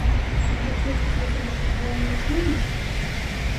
Можа, кінуцца і задушыць голымі рукамі?